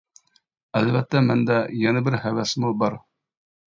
ئەلۋەتتە مەندە يەنە بىر ھەۋەسمۇ بار.